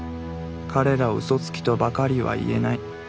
彼らをうそつきとばかりは言えない。